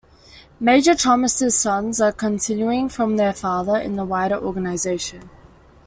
Major Thomas' sons are continuing from their father in the wider organisation.